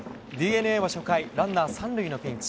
ＤｅＮＡは初回、ランナー３塁のピンチ。